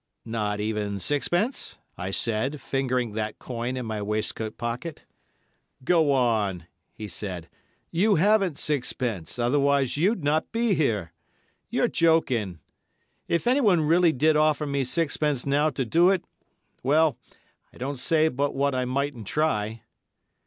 "Not even sixpence," I said, fingering that coin in my waistcoat pocket. "Go on," he said, "you haven't sixpence, otherwise you'd not be here. You're joking. If anyone really did offer me sixpence now to do it, well, I don't say but what I mightn't try."